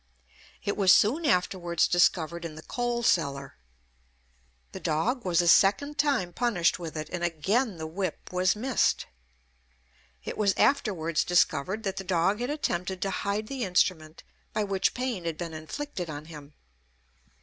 It was soon afterwards discovered in the coal cellar. The dog was a second time punished with it, and again the whip was missed. It was afterwards discovered that the dog had attempted to hide the instrument by which pain had been inflicted on him.